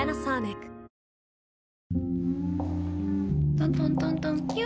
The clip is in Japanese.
トントントントンキュ。